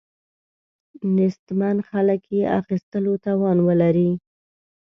نیستمن خلک یې اخیستلو توان ولري.